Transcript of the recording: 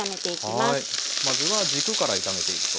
まずは軸から炒めていくと。